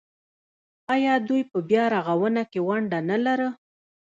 آیا دوی په بیارغونه کې ونډه نلره؟